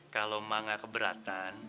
kalau ma gak keberatan